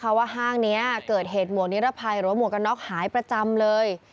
เพราะว่าห้างนี้เกิดเหตุหมวกนิรภัยหรือว่าหมวกกันน็อกหายประจำเลย